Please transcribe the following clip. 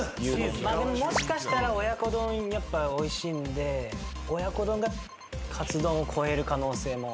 もしかしたら親子丼やっぱおいしいんで親子丼がカツ丼を超える可能性も。